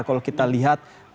kalau kita lihat